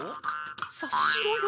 さっしろよ。